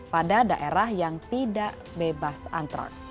pada daerah yang tidak bebas antraks